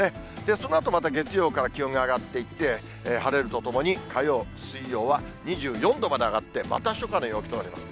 そのあとまた月曜から気温が上がっていって、晴れるとともに、火曜、水曜は２４度まで上がって、また初夏の陽気となります。